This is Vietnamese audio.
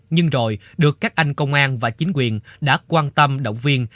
nhưng rồi được các anh công an và chính quyền đã quan tâm động viên